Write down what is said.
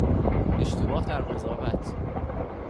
اشتباه در قضاوت